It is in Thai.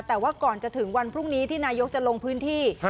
แต่ว่าก่อนจะถึงวันพรุ่งนี้ที่นายกจะลงพื้นที่